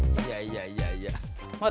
mbak buang mbak